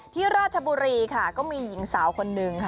ที่ราชบุรีค่ะก็มีผู้หญิงสาวคนนึง